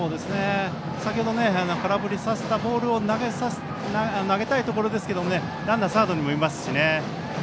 先ほど空振りさせたボールを投げたいところですけどランナー、サードにもいますから。